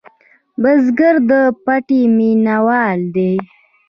بزګر د پټي مېنهوال دی